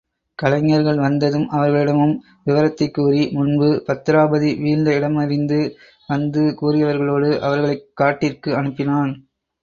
கலைஞர்கள் வந்ததும் அவர்களிடமும் விவரத்தைகூறி முன்பு பத்திராபதி வீழ்ந்த இடமறிந்து வந்து கூறியவர்களோடு அவர்களைக் காட்டிற்கு அனுப்பினான்.